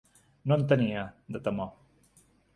No en tenia, de temor.